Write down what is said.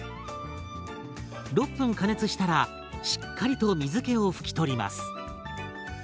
６分加熱したらしっかりと水けを拭き取ります。